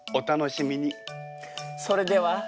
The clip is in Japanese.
それでは。